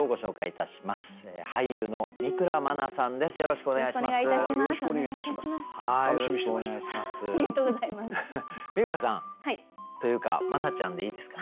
三倉さんというか茉奈ちゃんでいいですか？